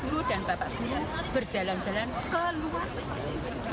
guru dan bapakku berjalan jalan ke luar negeri